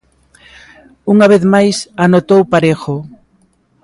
Unha vez máis anotou Parejo.